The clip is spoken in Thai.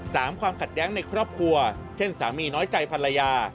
ความขัดแย้งในครอบครัวเช่นสามีน้อยใจภรรยา